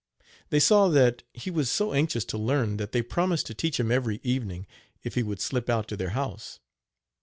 They saw that he was so anxious to learn that they promised to teach him every evening if he would slip out to their house.